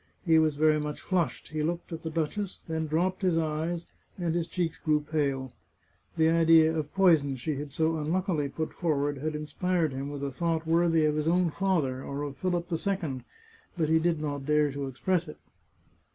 He was very much flushed; he looked at the duchess, then dropped his eyes, and his cheeks grew pale. The idea of poison she had so unluckily put forward had inspired him with a thought worthy of his own father, or of Philip II. But he did not dare to express it.